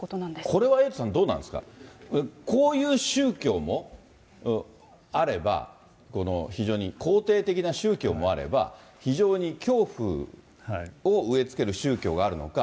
これはエイトさん、どうなんですか、こういう宗教もあれば、非常に肯定的な宗教もあれば、非常に恐怖を植えつける宗教があるのか。